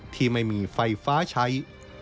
ที่ไม่มีไฟฟ้าใช้